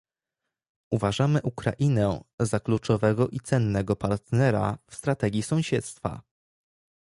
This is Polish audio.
Uważamy Ukrainę za kluczowego i cennego partnera w strategii sąsiedztwa